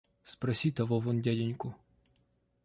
Спроси того вон дяденьку.